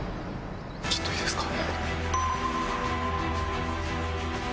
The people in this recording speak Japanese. ちょっといいですか？